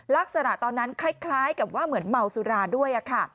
ลักษณะตอนนั้นคล้ายกับว่าเหมือนเมาสุราด้วยค่ะ